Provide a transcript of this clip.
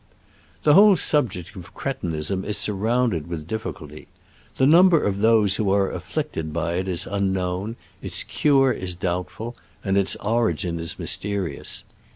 The whole subject of cretinism is sur rounded with difficulty. The number of those who are afflicted by it is un known, its cure is doubtful, and its origin is mysterious.